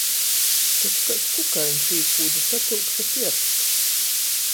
Koč kaids kukaiņs īkūde, satyukša piersts.